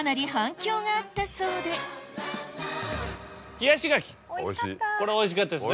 冷やし柿冷やし柿おいしかったですね。